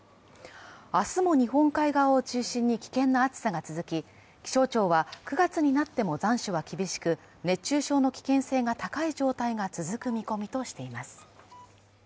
明日も日本海側を中心に危険な暑さが続き気象庁は９月になっても残暑は厳しく、熱中症の危険性が高い状態が続く見込みとしています。